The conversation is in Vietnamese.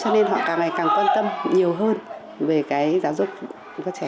nên họ càng ngày càng quan tâm nhiều hơn về cái giáo dục của các trẻ